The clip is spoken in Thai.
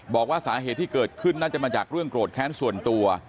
บอกว่าสาเหตุที่เกิดขึ้นน่าจะมาจากเรื่องโกรธแค้นส่วนตัว